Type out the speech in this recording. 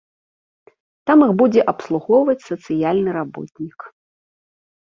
Там іх будзе абслугоўваць сацыяльны работнік.